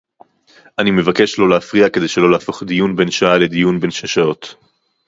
אני מבקש לא להפריע כדי שלא להפוך דיון בן שעה לדיון בן שש שעות